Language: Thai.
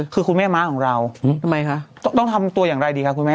คือคุณแม่ม้าของเราทำไมคะต้องทำตัวอย่างไรดีคะคุณแม่